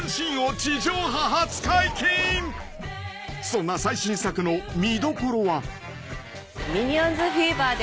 ［そんな最新作の見どころは？］